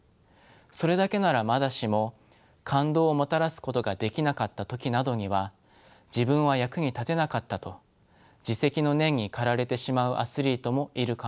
それだけならまだしも感動をもたらすことができなかった時などには「自分は役に立てなかった」と自責の念に駆られてしまうアスリートもいるかもしれません。